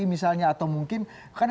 kasus arismata fahri misalnya